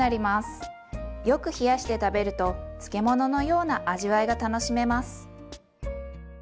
よく冷やして食べると漬物のような味わいが楽しめます。